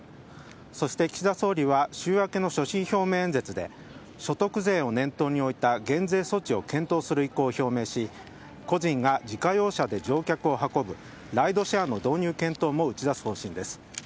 そして岸田総理は週明けの所信表明演説で所得税を念頭に置いた減税措置を検討する意向を表明し個人が自家用車で乗客を運ぶライドシェアの導入検討も打ち出す方針です。